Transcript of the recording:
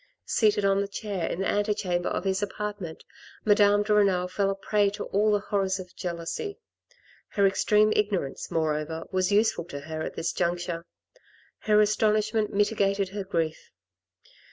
" Seated on the chair in the ante chamber of his apartment, Madame de Renal fell a prey to all the horrors of jealousy. Her extreme ignorance, moreover, was useful to her at this juncture ; her astonishment mitigated her grief.